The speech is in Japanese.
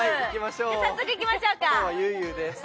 早速行きましょうか。